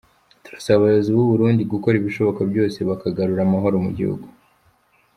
Turasaba abayobozi b’u Burundi gukora ibishoboka byose bakagarura amahoro mu gihugu.